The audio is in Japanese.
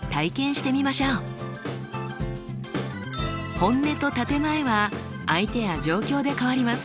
本音と建て前は相手や状況で変わります。